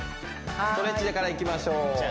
ストレッチからいきましょう